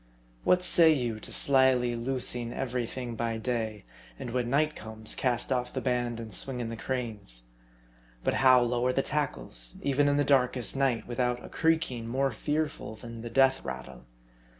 What say you to slyly loosing every thing by day; and when night comes, cast off the band and swing in the cranes ? But how lower the tackles, even in the darkest night, with out a creaking more fearful than the death rattle